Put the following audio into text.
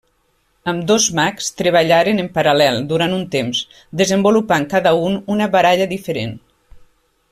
Ambdós mags treballaren en paral·lel durant un temps, desenvolupant cada un una baralla diferent.